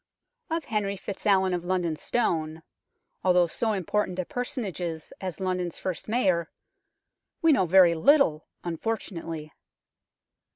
Of Henry FitzAlwin of London Stone, although so important a personage as London's first Mayor, we know very little, unfortunately.